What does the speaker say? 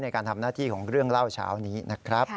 ในการทำหน้าที่ของเรื่องเล่าเช้านี้นะครับ